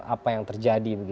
apa yang terjadi